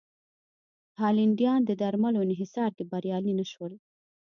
هالنډیان د درملو انحصار کې بریالي نه شول.